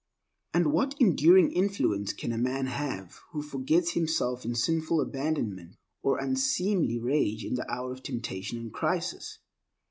And what enduring influence can a man have who forgets himself in sinful abandonment or unseemly rage in the hour of temptation and crisis?